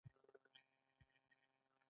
ایري کانال هم په همدې موده کې جوړ شو.